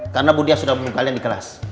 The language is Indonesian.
karena budiak sudah bunuh kalian di kelas